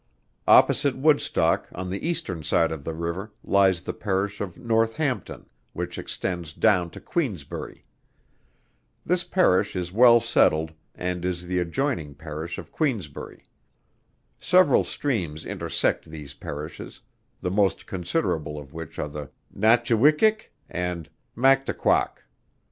Opposite Woodstock on the eastern side of the river lies the Parish of Northampton, which extends down to Queensbury. This Parish is well settled, as is the adjoining Parish of Queensbury. Several streams intersect these Parishes, the most considerable of which are the Nachiwikik and Mactuqaack.